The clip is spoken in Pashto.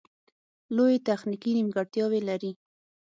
لویې تخنیکې نیمګړتیاوې لري